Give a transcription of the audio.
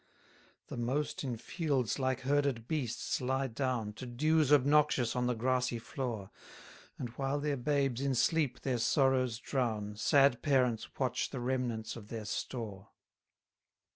258 The most in fields like herded beasts lie down, To dews obnoxious on the grassy floor; And while their babes in sleep their sorrows drown, Sad parents watch the remnants of their store.